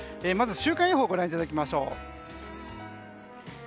まず週間予報をご覧いただきましょう。